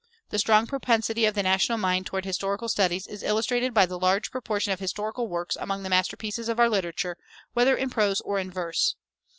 The strong propensity of the national mind toward historical studies is illustrated by the large proportion of historical works among the masterpieces of our literature, whether in prose or in verse.